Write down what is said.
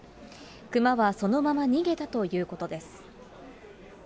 クマはそのまま逃げたということです。